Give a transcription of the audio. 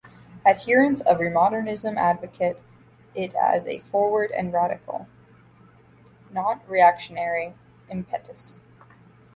Adherents of remodernism advocate it as a forward and radical, not reactionary, impetus.